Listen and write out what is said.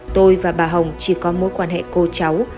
tôi và bà hồng chỉ có mối quan hệ cô cháu